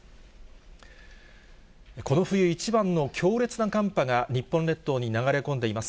この冬一番の強烈な寒波が日本列島に流れ込んでいます。